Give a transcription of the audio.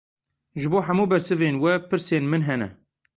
Ji bo hemû bersivên we, pirsên min hene.